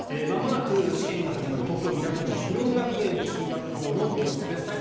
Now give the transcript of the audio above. まもなく試験が始まる東京・港区の広尾学園中学校の様子です。